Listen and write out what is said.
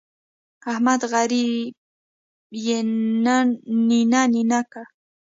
احمد غريب يې نينه نينه کړ.